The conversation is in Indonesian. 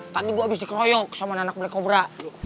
tadi gue abis dikeroyok sama anak black cobra